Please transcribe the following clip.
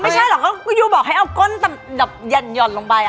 ไม่ใช่หรอกก็ยูบอกให้เอาก้นแบบหย่อนลงไป